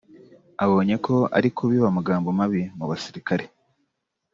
abonye ko ari kubiba amagambo mabi mu basirikare